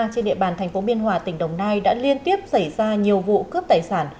trên địa bàn tp biên hòa tỉnh đồng nai đã liên tiếp xảy ra nhiều vụ cướp tài sản